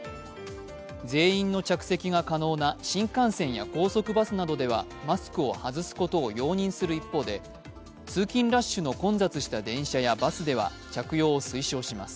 全員の着席が可能な新幹線や高速バスなどではマスクを外すことを容認する一方で通勤ラッシュの混雑した電車やバスでは着用を推奨します。